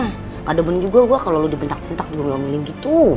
gak ada bener juga gue kalo lo dipintak pintak diomelin gitu